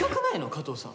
加藤さん。